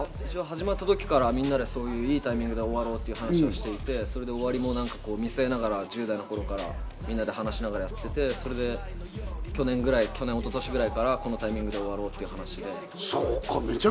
始まったときからみんなでいいタイミングで終わろうって話をしてて、終わりを見据えながら１０代の頃からみんなで話し合いながらやってて、それで去年ぐらい、去年、一昨年ぐらいから、このタイミングかなって話で。